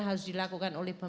jadi letakkan akibatnya